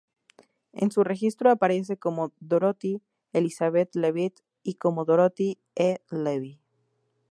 En su registro aparece como Dorothy Elizabeth Levitt y como Dorothy E Levi.